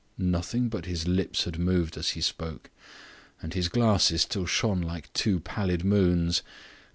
Nothing but his lips had moved as he spoke, and his glasses still shone like two pallid moons.